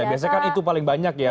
biasanya kan itu paling banyak ya